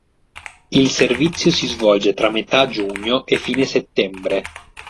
Il servizio si svolge tra metà giugno e fine settembre.